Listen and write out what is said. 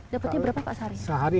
dapetnya berapa pak sehari